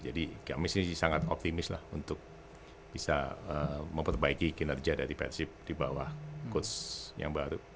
jadi kami sih sangat optimis lah untuk bisa memperbaiki kinerja dari persib di bawah coach yang baru